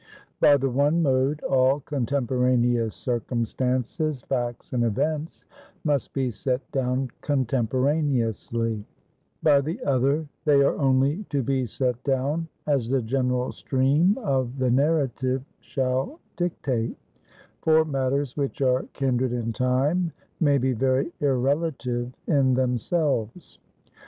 By the one mode, all contemporaneous circumstances, facts, and events must be set down contemporaneously; by the other, they are only to be set down as the general stream of the narrative shall dictate; for matters which are kindred in time, may be very irrelative in themselves.